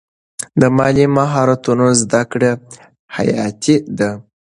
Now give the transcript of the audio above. د مالي مهارتونو زده کړه حیاتي ده.